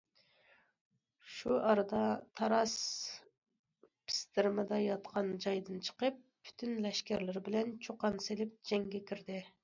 شۇ ئارىدا تاراس پىستىرمىدا ياتقان جايىدىن چىقىپ، پۈتۈن لەشكەرلىرى بىلەن چۇقان سېلىپ جەڭگە كىردى.